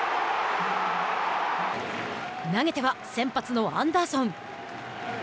投げては先発のアンダーソン。